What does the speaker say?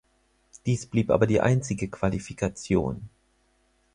Dies blieb aber die einzige Qualifikation.